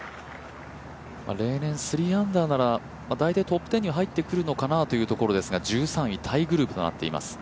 例年、３アンダーなら、大体トップ１０には入ってくるところかなと思いますが１３位タイグループとなっています。